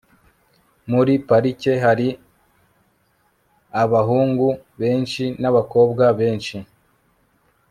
muri parike hari abahungu benshi nabakobwa benshi